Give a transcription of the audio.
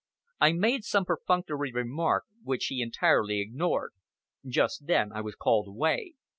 I made some perfunctory remark which he entirely ignored. Just then I was called away.